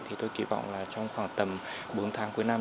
thì tôi kỳ vọng là trong khoảng tầm bốn tháng cuối năm